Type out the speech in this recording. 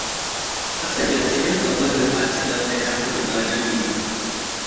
Hassan ya ce yana tsammanin Aisha zai yi hakan a ranar Litinin.